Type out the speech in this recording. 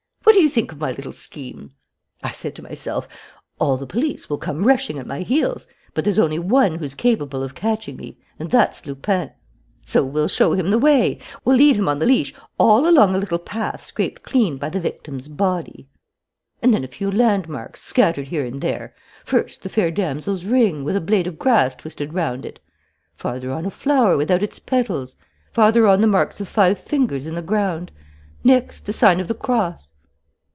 What do you think of my little scheme? I said to myself, 'All the police will come rushing at my heels. But there's only one who's capable of catching me, and that's Lupin. So we'll show him the way, we'll lead him on the leash all along a little path scraped clean by the victim's body.' "And then a few landmarks, scattered here and there. First, the fair damsel's ring, with a blade of grass twisted round it; farther on a flower without its petals; farther on the marks of five fingers in the ground; next, the sign of the cross.'